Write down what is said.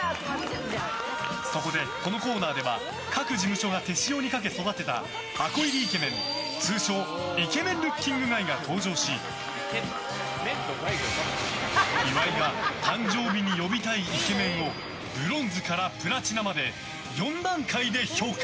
そこで、このコーナーでは各事務所が手塩にかけ育てた箱入りイケメン通称イケメン・ルッキングガイが登場し岩井が誕生日に呼びたいイケメンをブロンズからプラチナまで４段階で評価。